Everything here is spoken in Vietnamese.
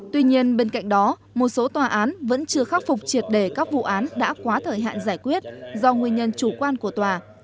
tuy nhiên bên cạnh đó một số tòa án vẫn chưa khắc phục triệt đề các vụ án đã quá thời hạn giải quyết do nguyên nhân chủ quan của tòa